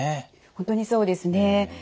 本当にそうですね。